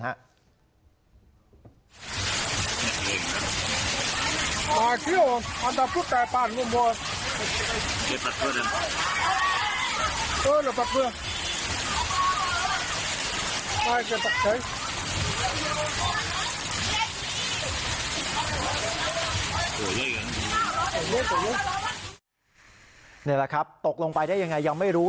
นี่แหละครับตกลงไปได้ยังไงยังไม่รู้